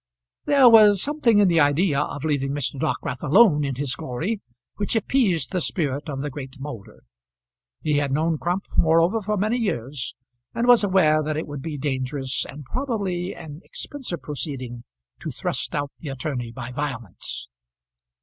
There was something in the idea of leaving Mr. Dockwrath alone in his glory which appeased the spirit of the great Moulder. He had known Crump, moreover, for many years, and was aware that it would be a dangerous, and probably an expensive proceeding to thrust out the attorney by violence.